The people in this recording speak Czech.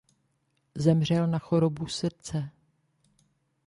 Zemřel na chorobu srdce.